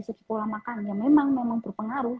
segi pola makan ya memang memang berpengaruh